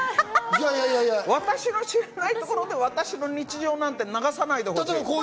私の知らないところで私の日常なんて流さないでほしい。